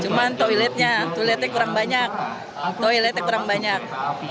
cuma toiletnya toiletnya kurang banyak